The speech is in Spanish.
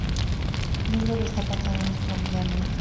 Miller está casado con Stormy Daniels.